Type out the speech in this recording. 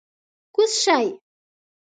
کوز شئ!